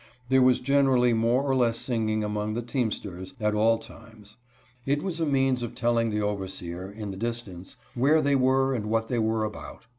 There was generally more or less singing among the teamsters, at all times. It was a means of telling the overseer, in the distance, where they were and what they were about.